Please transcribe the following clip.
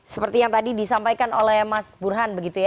seperti yang tadi disampaikan oleh mas burhan